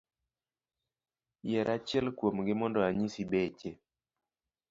Yier achiel kuogi mondo anyisi beche?